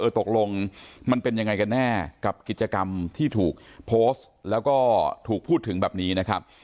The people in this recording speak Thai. ตกลงมันเป็นยังไงกันแน่กับกิจกรรมที่ถูกโพสต์แล้วก็ถูกพูดถึงแบบนี้นะครับ